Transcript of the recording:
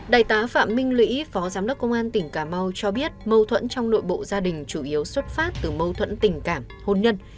đại tá phạm minh lũy phó giám đốc công an tỉnh cà mau cho biết mâu thuẫn trong nội bộ gia đình chủ yếu xuất phát từ mâu thuẫn tình cảm hôn nhân